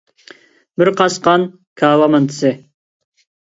بىر قاسقان كاۋا مانتىسى.